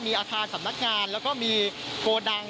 มีอาคารสำนักงานแล้วก็มีโกดัง